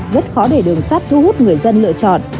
rất khó để đường sắt thu hút người dân lựa chọn